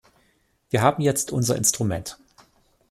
Wir haben jetzt unser Instrument.